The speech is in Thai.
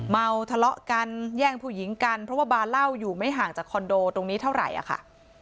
เมาทะเลาะกันแย่งผู้หญิงกันเพราะว่าบาร์เหล้าอยู่ไม่ห่างจากคอนโดตรงนี้เท่าไหร่อะค่ะ